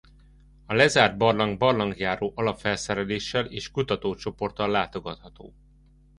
A lezárt barlang barlangjáró alapfelszereléssel és kutatócsoporttal látogatható.